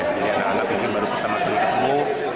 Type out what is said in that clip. jadi anak anak yang baru pertama kali ketemu